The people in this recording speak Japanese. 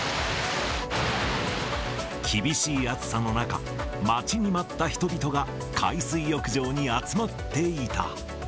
厳しい暑さの中、待ちに待った人々が海水浴場に集まっていた。